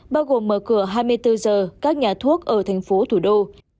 bao gồm mở cửa hai mươi bốn giờ các nhà thuốc ở thành phố thủ đô